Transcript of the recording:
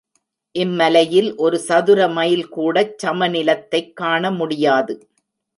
இம்மலையில் ஒரு சதுரமைல் கூடச் சமநிலத்தைக் காண முடியாது.